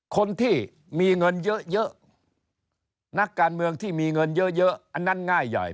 คนที่มีเงินเยอะนักการเมืองที่มีเงินเยอะอันนั้นง่ายใหญ่